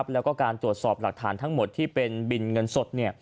แล้วก็การตรวจสอบหลักฐานทั้งหมดที่เป็นบินเงินสด